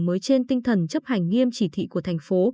mới trên tinh thần chấp hành nghiêm chỉ thị của thành phố